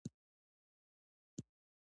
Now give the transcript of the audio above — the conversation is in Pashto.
زمردي کالي د پسرلي د ښکلا یوه نښه ده.